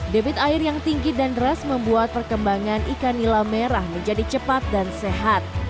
debit air yang tinggi dan deras membuat perkembangan ikan nila merah menjadi cepat dan sehat